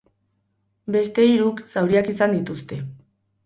Beste hiruk zauriak izan dituzte.